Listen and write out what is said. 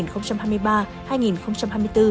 năm hai nghìn hai mươi ba hai nghìn hai mươi bốn